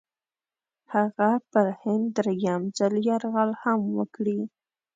هغه به پر هند درېم ځل یرغل هم وکړي.